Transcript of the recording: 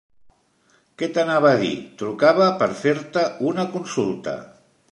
Què t'anava a dir, trucava per fer-te una consulta.